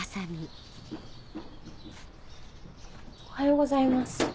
おはようございます。